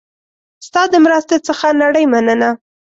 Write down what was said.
ستا د مرستې څخه نړۍ مننه